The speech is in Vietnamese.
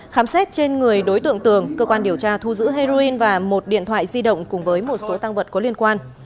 khám xét trên người đối tượng tường cơ quan điều tra thu giữ heroin và một điện thoại di động cùng với một số tăng vật có liên quan